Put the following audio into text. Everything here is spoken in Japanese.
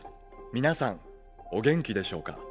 「皆さんお元気でしょうか？」。